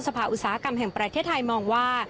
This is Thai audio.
ภาคอุตสาหกรรมแห่งประเทศไทยมองว่า